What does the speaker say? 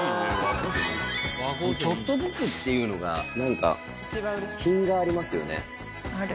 ちょっとずつっていうのが何か品がありますよね。